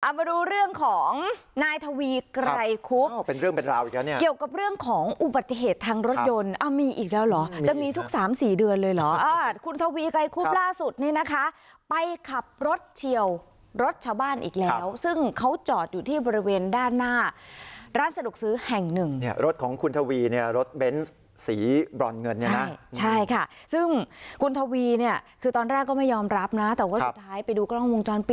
เอามาดูเรื่องของนายทวีไกรคุพเป็นเรื่องเป็นราวอีกแล้วเนี่ยเกี่ยวกับเรื่องของอุบัติเหตุทางรถยนต์อ้ามีอีกแล้วหรอจะมีทุกสามสี่เดือนเลยหรออ่าคุณทวีไกรคุพล่าสุดนี้นะคะไปขับรถเชี่ยวรถชาวบ้านอีกแล้วซึ่งเขาจอดอยู่ที่บริเวณด้านหน้าร้านสนุกซื้อแห่งหนึ่งเนี่ยรถของคุณทวีเนี่ยรถเบนสีบร่อน